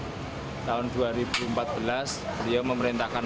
tahun dua ribu empat belas beliau memerintahkan